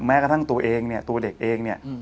แม้กระทั่งตัวเองเนี่ยตัวเด็กเองเนี่ย